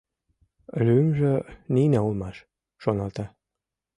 «Лӱмжӧ Нина улмаш», — шоналта.